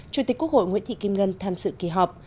chủ tịch quốc hội nguyễn thị kim ngân tham dự kỳ họp